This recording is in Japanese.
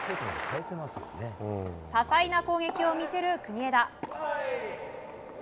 多彩な攻撃を見せる国枝。